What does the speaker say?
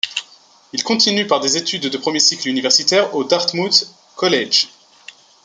Il continue par des études de premier cycle universitaire au Dartmouth College.